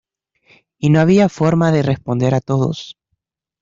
Y no había forma de responder a todos.